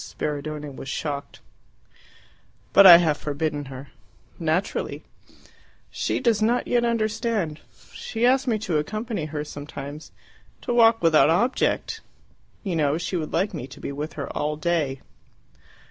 Spiridione was shocked. "But I have forbidden her." "Naturally." "She does not yet understand. She asked me to accompany her sometimes to walk without object! You know, she would like me to be with her all day."